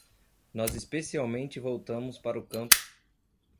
Nós especialmente voltamos para o campo